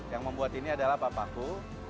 yang membuat ini adalah bapakku